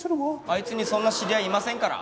あいつにそんな知り合いいませんから。